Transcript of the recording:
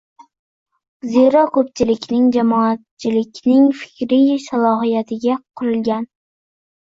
Zero ko‘pchilikning – jamoatchilikning fikriy salohiyatiga qurilgan